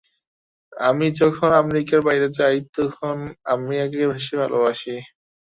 আমি যখন আমেরিকার বাইরে যাই, তখনই আমেরিকাকে বেশী ভালবাসি।